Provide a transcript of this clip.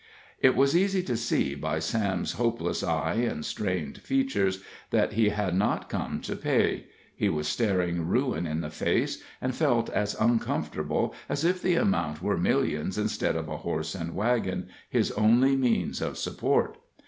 It was easy to see by Sam's hopeless eye and strained features that he had not come to pay he was staring ruin in the face, and felt as uncomfortable as if the amount were millions instead of a horse and wagon, his only means of support.